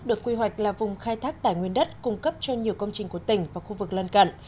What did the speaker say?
huyện lập thạch là vùng khai thác tài nguyên đất cung cấp cho nhiều công trình của tỉnh và khu vực lân cận